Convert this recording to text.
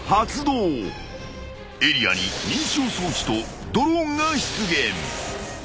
［エリアに認証装置とドローンが出現］